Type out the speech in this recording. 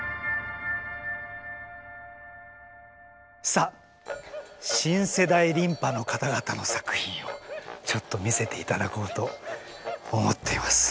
さあ新世代琳派の方々の作品をちょっと見せて頂こうと思ってます。